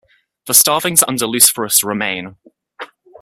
The Starvelings under Luseferous remain.